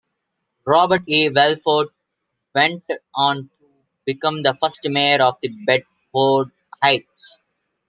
Robet E. Willeford went on to become the first mayor of Bedford Heights.